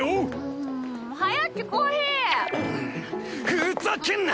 ふざけんな！